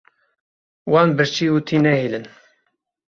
Wan birçî û tî nehêlin.